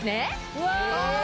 うわ！